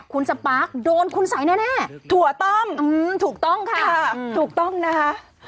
คุณสปาร์คโดนคุณสัยแน่ถั่วต้อมถูกต้องค่ะถูกต้องนะคะ